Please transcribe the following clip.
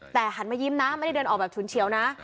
แต่หันมายิ้มนะไม่ได้เดินออกแบบฉุนเฉียวนะ